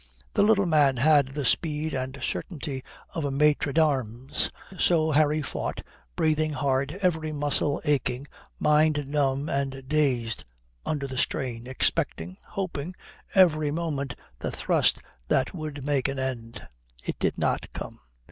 The little man had the speed and certainty of a maître d'armes. So Harry fought, breathing hard, every muscle aching, mind numb and dazed under the strain, expecting hoping every moment the thrust that would make an end. It did not come.